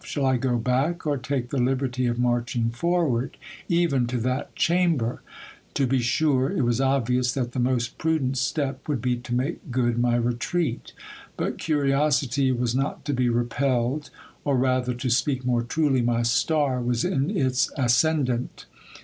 Shall I go back, . take the liberty of marching forward, even to that chamber ? To be sur i6o GIL BLAS. obvious that the most prudent step would be to make good my retreat ; but curiosity was not to be repelled, or rather, to speak more truly, my star was in its ascendant.